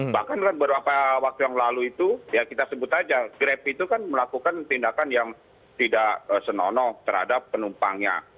bahkan beberapa waktu yang lalu itu ya kita sebut aja grab itu kan melakukan tindakan yang tidak senonoh terhadap penumpangnya